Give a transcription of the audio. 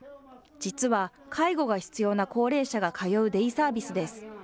実は、介護が必要な高齢者が通うデイサービスです。